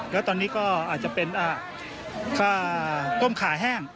แล้วตอนนี้ก็อาจจะเป็นค่าต้มขาแห้ง